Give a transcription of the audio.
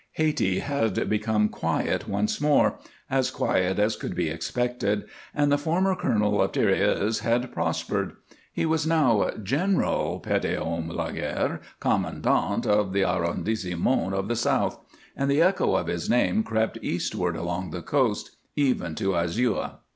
Hayti had become quiet once more as quiet as could be expected and the former colonel of tirailleurs had prospered. He was now "General Petithomme Laguerre, Commandant of the Arrondissement of the South," and the echo of his name crept eastward along the coast, even to Azua.